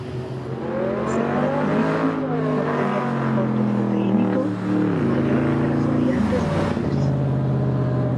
Se caracterizan por tener un aporte proteínico mayor que las variantes dulces.